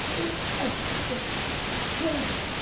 あっいやすまん！